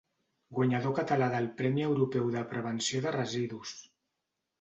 Guanyador català del Premi Europeu de Prevenció de Residus.